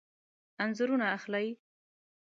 انځورونه اخلئ؟